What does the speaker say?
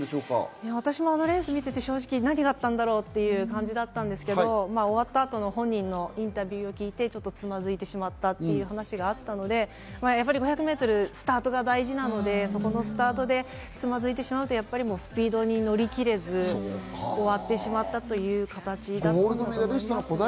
私もあのレースを見ていて正直何だったんだろうと思ったんですが、終わった後の本人のインタビューを聞いて、ちょっとつまずいてしまったという話があったので、やはり５００メートル、スタートが大事なのでそのスタートでつまずいてしまうとスピードに乗りきれず終わってしまったという形だったと思います。